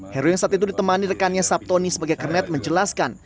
heru yang saat itu ditemani rekannya sabtoni sebagai kernet menjelaskan